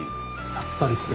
さっぱりして。